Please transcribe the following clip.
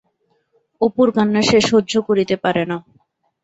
অপুর কান্না সে সহ্য করিতে পারে না।